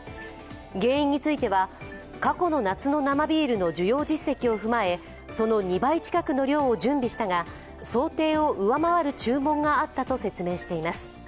原因については、過去の夏の生ビールの需要実績を踏まえその２倍近くの量を準備したが、想定を上回る注文があったと説明しています。